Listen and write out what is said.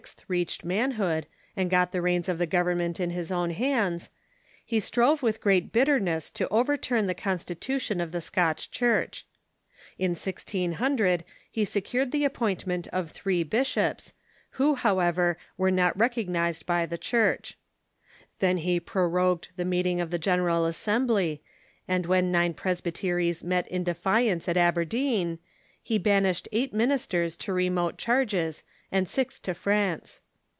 reached manhood and got the reins of the government in his own hands, he strove with great bitterness to overturn the constitution of the Scotch Church. In 1000 he secured the appointment of three bishops, who, however, were not recog nized by the Church. Then he prorogued the meeting of the General Assembly, and when nine presbyteries met in defiance at Aberdeen, he banished eight ministers to remote charges and six to France.